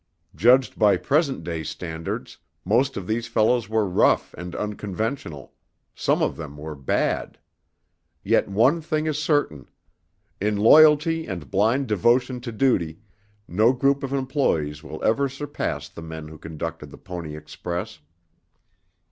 Judged by present day standards, most of these fellows were rough and unconventional; some of them were bad. Yet one thing is certain: in loyalty and blind devotion to duty, no group of employees will ever surpass the men who conducted the Pony Express.